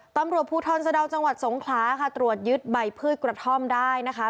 ตำรวจภูทรสะดาวจังหวัดสงขลาค่ะตรวจยึดใบพืชกระท่อมได้นะคะ